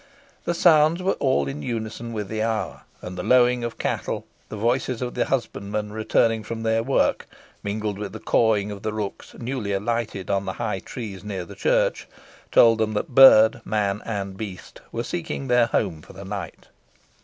The sounds were all in unison with the hour, and the lowing of cattle, the voices of the husbandmen returning from their work, mingled with the cawing of the rooks newly alighted on the high trees near the church, told them that bird, man, and beast were seeking their home for the night.